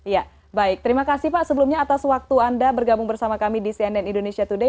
ya baik terima kasih pak sebelumnya atas waktu anda bergabung bersama kami di cnn indonesia today